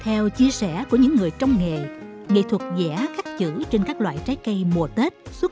theo chia sẻ của những người trong nghề nghệ thuật dẻ khắc chữ trên các loại trái cây mùa tết xuất